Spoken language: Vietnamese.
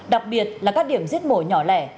đặc biệt là các điểm giết mổ nhỏ lẻ